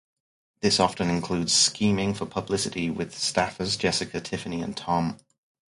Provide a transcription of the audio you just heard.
This often includes scheming for publicity with staffers Jessica, Tiffany, and Tom.